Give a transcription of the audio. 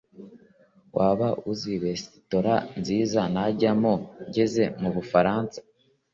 Waba uzi resitora nziza najyamo ngeze mubufaransa?